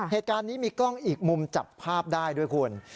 เหตุการณ์นี้มีกล้องอีกมุมจับภาพได้ด้วยคุณ